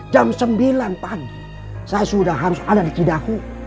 jam sembilan pagi saya sudah harus ada di kidahu